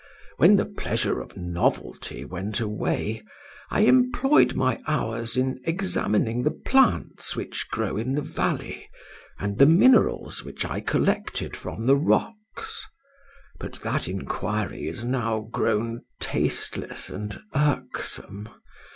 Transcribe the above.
When the pleasure of novelty went away, I employed my hours in examining the plants which grow in the valley, and the minerals which I collected from the rocks. But that inquiry is now grown tasteless and irksome.